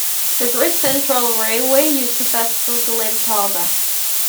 The Great Central Railway used to pass through Glen Parva.